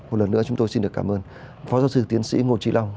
một lần nữa chúng tôi xin được cảm ơn phó giáo sư tiến sĩ ngô trí long